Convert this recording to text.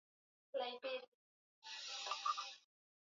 Tena jamii fulani iliyokuwa inaitwa Jamii shinani iliyoegemea